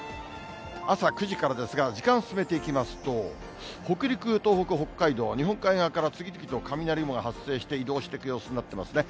朝９時からですが、時間進めていきますと、北陸、東北、北海道、日本海側から次々と雷雲が発生して移動していく様子になってますね。